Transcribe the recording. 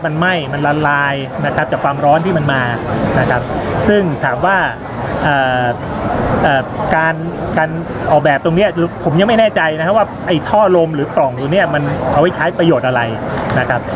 มันไหม้มันละลายนะครับจากความร้อนที่มันมานะครับซึ่งถามว่าการการออกแบบตรงเนี้ยผมยังไม่แน่ใจนะครับว่าไอ้ท่อลมหรือปล่องตัวเนี้ยมันเอาไว้ใช้ประโยชน์อะไรนะครับ